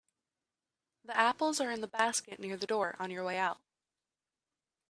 The apples are in the basket near the door on your way out.